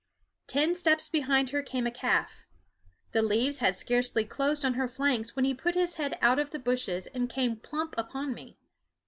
Ten steps behind her came a calf. The leaves had scarcely closed on her flanks when he put his head out of the bushes and came plump upon me.